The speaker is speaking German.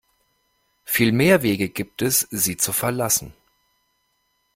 Viel mehr Wege gibt es, sie zu verlassen.